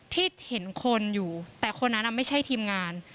ที่เห็นคนอยู่แต่คนนั้นไม่ใช่ทีมงาน